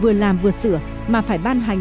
vừa làm vừa sửa mà phải ban hành